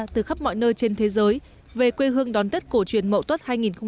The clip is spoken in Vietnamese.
từ khắp mọi nơi trên thế giới về quê hương đón tết cổ truyền mậu tuất hai nghìn hai mươi